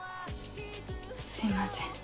すいません。